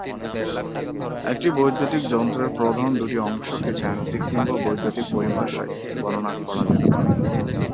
একটি বৈদ্যুতিক যন্ত্রের প্রধান দুটি অংশকে যান্ত্রিক কিংবা বৈদ্যুতিক পরিভাষায় বর্ণনা করা যেতে পারে।